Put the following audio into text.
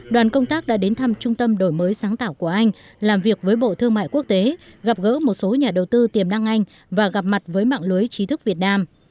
đoàn công tác đã đến thăm trung tâm đổi mới sáng tạo của anh làm việc với bộ thương mại quốc tế gặp gỡ một số nhà đầu tư tiềm năng anh và gặp mặt với mạng lưới trí thức việt nam